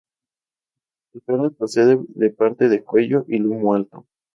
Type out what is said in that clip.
Su carne procede de parte del cuello y lomo alto.